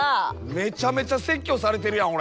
めちゃめちゃ説教されてるやん俺。